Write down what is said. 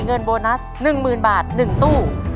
เงินโบนัส๑๐๐๐บาท๑ตู้